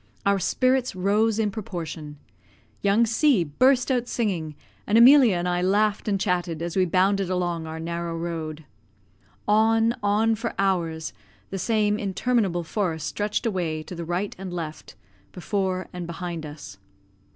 Our spirits rose in proportion. Young C burst out singing, and Emilia and I laughed and chatted as we bounded along our narrow road. On, on for hours, the same interminable forest stretched away to the right and left, before and behind us.